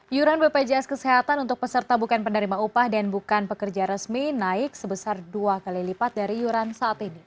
iuran bpjs kesehatan untuk peserta bukan penerima upah dan bukan pekerja resmi naik sebesar dua kali lipat dari iuran saat ini